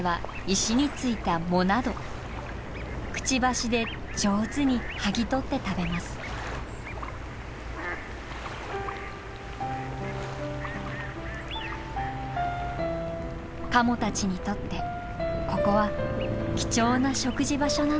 カモたちにとってここは貴重な食事場所なのです。